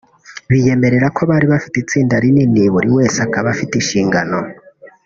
biyemerera ko bari bafite itsinda rinini buri wese akaba afite inshingano